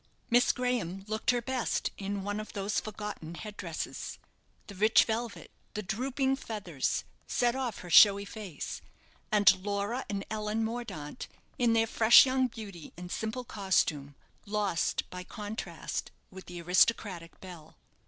Miss Graham looked her best in one of those forgotten headdresses; the rich velvet, the drooping feathers, set off her showy face, and Laura and Ellen Mordaunt, in their fresh young beauty and simple costume, lost by contrast with the aristocratic belle.